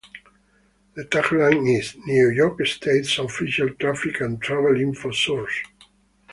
The tag line is: New York State's Official Traffic and Travel Info Source.